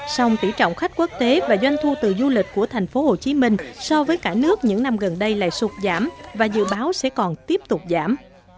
sông tỉ trọng khách quốc tế và doanh thu từ du lịch của thành phố hồ chí minh so với cả nước những năm gần đây lại sụt giảm và dự báo sẽ còn tiếp tục giảm